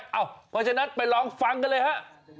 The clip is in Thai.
เพราะฉะนั้นไปลองฟังกันเลยฮะ